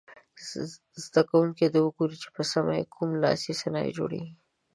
زده کوونکي دې وګوري چې په سیمه کې یې کوم لاسي صنایع جوړیږي.